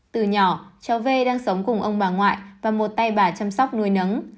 từ nhỏ cháu v đang sống cùng ông bà ngoại và một tay bà chăm sóc nuôi nấng